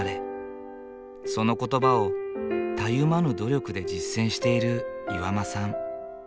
その言葉をたゆまぬ努力で実践している岩間さん。